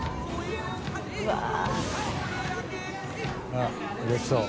あっうれしそう。